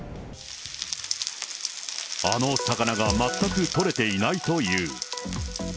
あの魚が全く取れていないという。